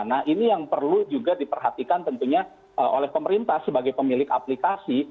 nah ini yang perlu juga diperhatikan tentunya oleh pemerintah sebagai pemilik aplikasi